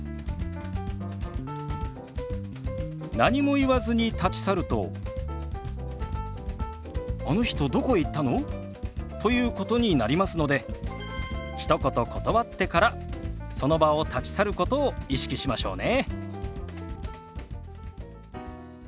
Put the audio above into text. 何も言わずに立ち去ると「あの人どこへ行ったの？」ということになりますのでひと言断ってからその場を立ち去ることを意識しましょうね。